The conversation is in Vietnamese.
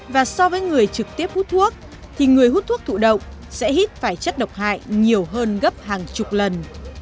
và so với người trực tiếp hút thuốc thì người hút thuốc thụ động sẽ hít phải chất độc hại nhiều hơn gấp hàng chục lần